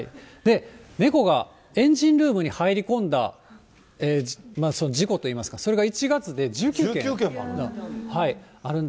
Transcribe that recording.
猫がエンジンルームに入り込んだ事故といいますか、１９件もあるんだ。